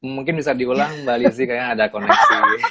mungkin bisa diulang mbak lizzie kayaknya ada koneksi